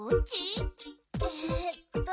えっと。